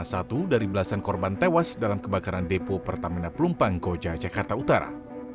satu dari belasan korban tewas dalam kebakaran depo pertamina pelumpang koja jakarta utara